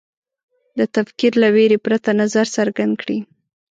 د تکفیر له وېرې پرته نظر څرګند کړي